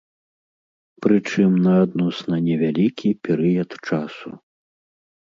Прычым, на адносна невялікі перыяд часу.